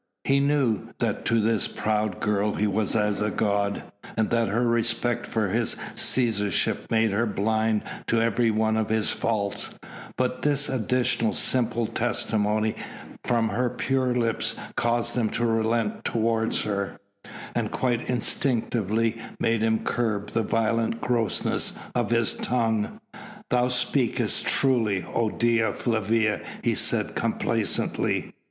He knew that to this proud girl he was as a god, and that her respect for his Cæsarship made her blind to every one of his faults, but this additional simple testimony from her pure lips caused him to relent towards her, and quite instinctively made him curb the violent grossness of his tongue. "Thou speakest truly, O Dea Flavia," he said complacently.